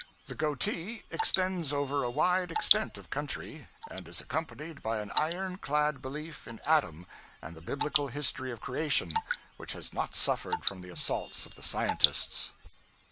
The goatee extends over a wide extent of country; and is accompanied by an iron clad belief in Adam and the biblical history of creation, which has not suffered from the assaults of the scientists.